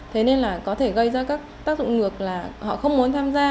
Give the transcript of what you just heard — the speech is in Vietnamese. thế nên là có thể gây ra các tác dụng ngược là họ không muốn tham gia